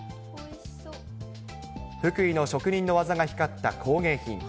福井の職人の技が光った工芸品。